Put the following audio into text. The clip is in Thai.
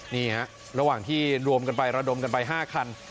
นี่ฮะระหว่างที่รวมกันไประดมกันไป๕คัน